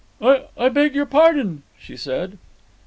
"I beg your pardon," she said.